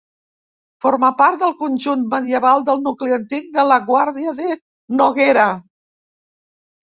Forma part del conjunt medieval del nucli antic de la Guàrdia de Noguera.